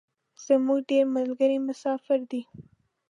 زمونږ ډیری ملګري مسافر دی